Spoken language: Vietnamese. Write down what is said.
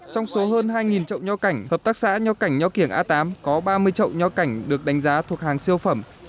trong số hơn hai trậu nho cảnh hợp tác xã nho cảnh nho kiểng a tám có ba mươi trậu nho cảnh được đánh giá thuộc hàng siêu phẩm